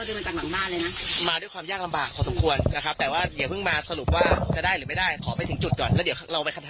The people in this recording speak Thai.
อย่ามาด้วยความยากลำบากขอสมควรนะครับแต่ว่าเดี๋ยวเพิ่งมาสรุปว่าจะได้หรือไม่ได้ขอไปถึงจุดก่อนไม่ได้เราไปข้าง